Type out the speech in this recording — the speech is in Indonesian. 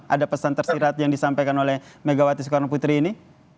ada pesan tersirat yang disampaikan oleh megawati soekarno putri ini